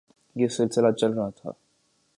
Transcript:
یہ سلسلہ چل رہا تھا۔